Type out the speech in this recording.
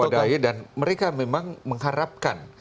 dan mereka memang mengharapkan